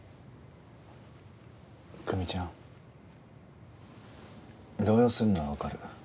久美ちゃん。動揺するのはわかる。